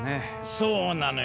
そうなのよ。